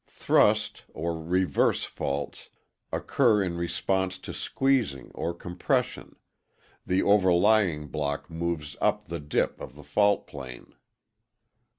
Thrust (reverse) faults occur in response to squeezing or compression; the overlying block moves up the dip of the fault plane.